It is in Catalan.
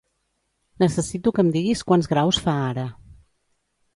Necessito que em diguis quants graus fa ara.